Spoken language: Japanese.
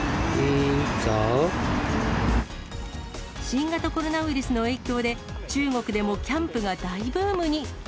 新型コロナウイルスの影響で、中国でもキャンプが大ブームに。